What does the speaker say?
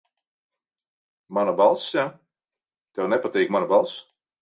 Mana balss, ja? Tev nepatīk mana balss.